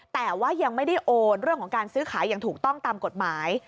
แต่ว่ายังไม่ได้โอนเรื่องของการซื้อขายอย่างถูกต้องตามกฎหมาย